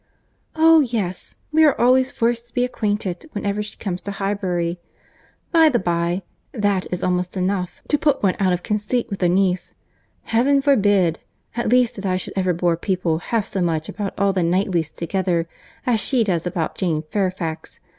"Oh! yes; we are always forced to be acquainted whenever she comes to Highbury. By the bye, that is almost enough to put one out of conceit with a niece. Heaven forbid! at least, that I should ever bore people half so much about all the Knightleys together, as she does about Jane Fairfax.